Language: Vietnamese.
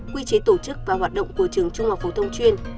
quy chế tổ chức và hoạt động của trường trung học phổ thông chuyên